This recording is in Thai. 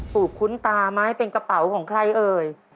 คุ้นตาไหมเป็นกระเป๋าของใครเอ่ย